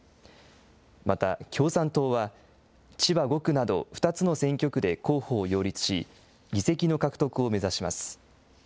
また、共産党は、千葉５区など２つの選挙区で候補を擁立し、議席の獲得を目指します。